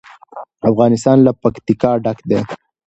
افغانستان له پکتیکا ډک دی.